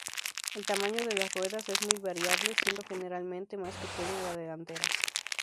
El tamaño de las ruedas es muy variable, siendo generalmente más pequeña la delantera.